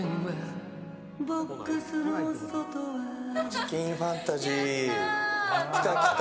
チキンファンタジー、きたきた。